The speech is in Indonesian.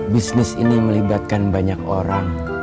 bisnis ini melibatkan banyak orang